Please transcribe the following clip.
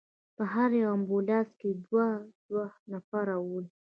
په هر یو امبولانس کې دوه دوه نفره ول.